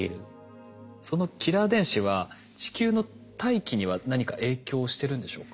そのキラー電子は地球の大気には何か影響してるんでしょうか？